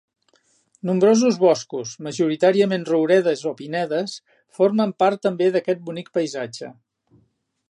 Nombrosos boscos, majoritàriament rouredes o pinedes, formen part també d'aquest bonic paisatge.